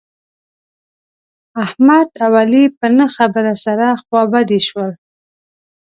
احمد او علي په نه خبره سره خوابدي شول.